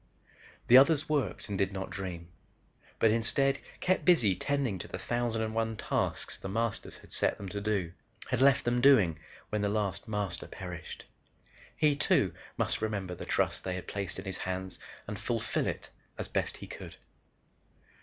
The others worked and did not dream, but instead kept busy tending to the thousand and one tasks The Masters had set them to do had left them doing when the last Master perished. He too must remember the trust they had placed in his hands and fulfill it as best he could.